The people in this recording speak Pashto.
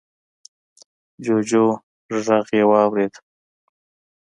جوجو غږ يې واورېد.